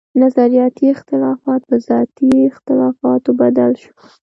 نظرياتي اختلافات پۀ ذاتي اختلافاتو بدل شو